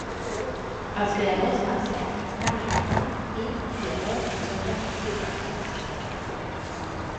Els creadors van ser Danny Arnold i Theodore J. Flicker.